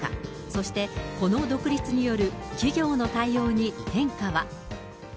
そして、この独立による企業の対応に変化は。